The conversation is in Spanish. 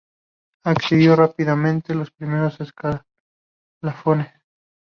Ascendió rápidamente los primeros escalafones.